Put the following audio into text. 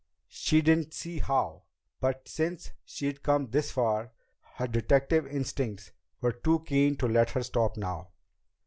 She didn't see how, but since she'd come this far, her detective instincts were too keen to let her stop now.